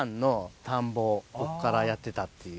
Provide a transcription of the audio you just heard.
ここからやってたっていう。